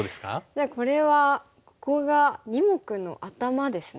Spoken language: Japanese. じゃあこれはここが２目の頭ですね。